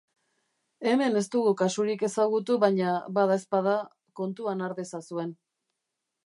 Hemen ez dugu kasurik ezagutu baina, badaezpada, kontuan har dezazuen.